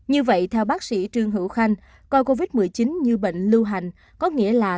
như vậy theo bác sĩ trương hữu khanh coi covid một mươi chín như bệnh lưu hành